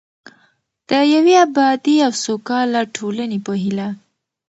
د یوې ابادې او سوکاله ټولنې په هیله.